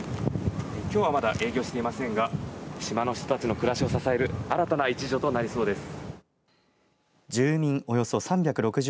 きょうはまだ営業していませんが島の人たちの暮らしを支える新たな一助となりそうです。